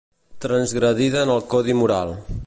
Transgredida en el codi moral.